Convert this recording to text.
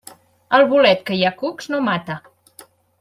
El bolet que hi ha cucs, no mata.